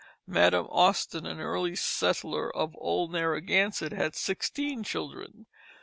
Madam Austin, an early settler of old Narragansett, had sixteen children.